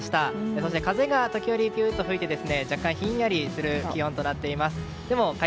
そして、風が時折ビューンと吹いて若干ひんやりする気温となっています。